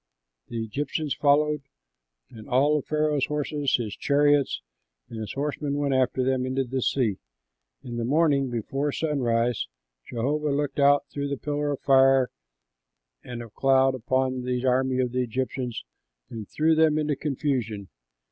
The Egyptians followed and all of Pharaoh's horses, his chariots, and his horsemen went after them into the sea. In the morning before sunrise, Jehovah looked out through the pillar of fire and of cloud upon the army of the Egyptians and threw them into confusion.